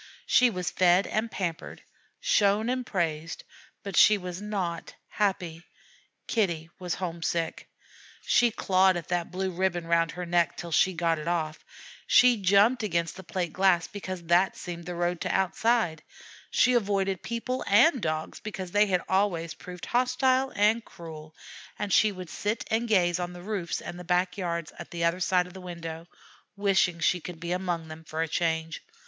She was fed and pampered, shown and praised; but she was not happy. Kitty was homesick! She clawed at that blue ribbon round her neck till she got it off; she jumped against the plate glass because that seemed the road to outside; she avoided people and Dogs because they had always proved hostile and cruel; and she would sit and gaze on the roofs and back yards at the other side of the window, wishing she could be among them for a change.